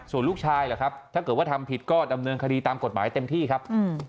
ส่วนลูกชายเหรอครับถ้าเกิดว่าทำผิดก็ดำเนินคดีตามกฎหมายเต็มที่ครับ